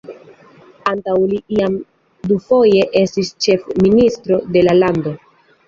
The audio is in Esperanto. Antaŭe li jam dufoje estis ĉefministro de la lando.